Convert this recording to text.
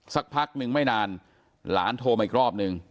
สักพักนึงไม่นานหลานโทรมาอีกรอบนึง